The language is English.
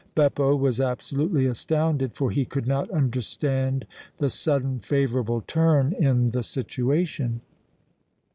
Beppo was absolutely astounded, for he could not understand the sudden, favorable turn in the situation.